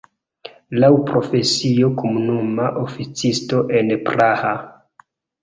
Laŭ profesio komunuma oficisto en Praha.